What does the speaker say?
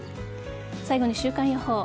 最後に週間予報。